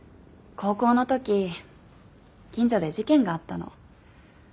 高校の時近所で事件があったの。